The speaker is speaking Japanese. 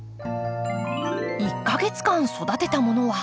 １か月間育てたものは？